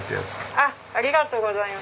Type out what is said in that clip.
ありがとうございます。